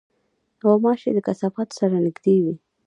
غوماشې د کثافاتو سره نزدې وي.